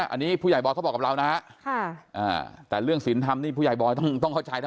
อันนี้ผู้ใหญ่บอยเขาบอกกับเรานะฮะแต่เรื่องศีลธรรมนี่ผู้ใหญ่บอยต้องเข้าใจนะ